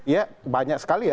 iya banyak sekali ya